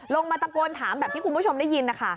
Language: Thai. ลงมาตะโกนถามแบบที่คุณผู้ชมได้ยินนะคะ